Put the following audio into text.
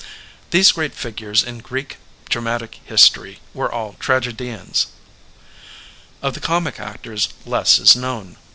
These great figures in Greek dramatic history were all tragedians. Of the comic actors less is known.